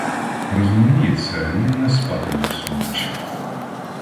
Розуміється, він не спатиме всю ніч.